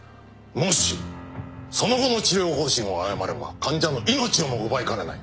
もしその後の治療方針を誤れば患者の命をも奪いかねない。